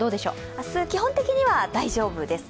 明日、基本的には大丈夫です。